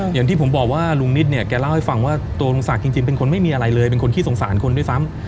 อย่างที่ผมบอกว่าลุงนิดเนี่ยแกเล่าให้ฟังว่าตัวลุงศักดิ์จริงเป็นคนไม่มีอะไรเลยเป็นคนขี้สงสารคนด้วยซ้ำ